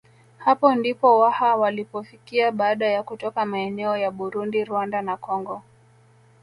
Hapo ndipo Waha walipofikia baada ya kutoka maeneo ya Burundi Rwanda na Kongo